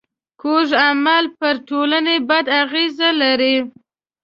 کوږ عمل پر ټولنه بد اغېز لري